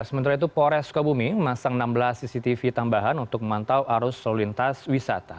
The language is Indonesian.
sementara itu polres sukabumi memasang enam belas cctv tambahan untuk memantau arus lalu lintas wisata